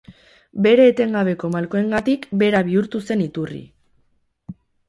Bere etengabeko malkoengatik, bera bihurtu zen iturri.